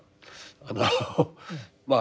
あのまあ